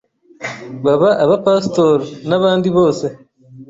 baba aba pastor n’abandi bose